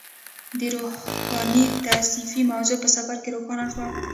د روحاني تصفیې موضوع په سفر کې روښانه شوه.